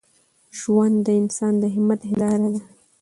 ژوند د انسان د همت هنداره ده.